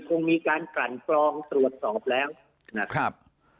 คงมีการกลั่นกรองตรวจสอบแล้วนะครับ